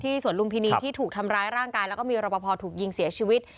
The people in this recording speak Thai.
สวนลุมพินีที่ถูกทำร้ายร่างกายแล้วก็มีรบพอถูกยิงเสียชีวิต